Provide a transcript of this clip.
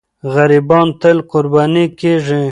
غریبان تل قرباني کېږي.